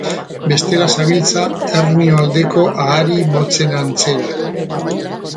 Bestela zabiltza Hernio aldeko ahari motzen antzera.